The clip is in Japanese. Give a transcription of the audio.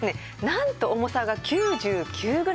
なんと重さが９９グラム。